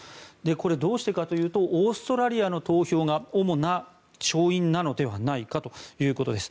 これ、どうしてかというとオーストラリアの投票が主な勝因なのではないかということです。